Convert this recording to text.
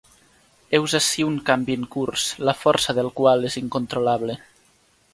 Heus ací un canvi en curs, la força del qual és incontrolable.